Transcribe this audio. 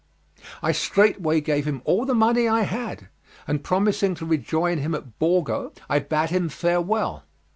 I straightway gave him all the money I had, and promising to rejoin him at Borgo I bade him farewell.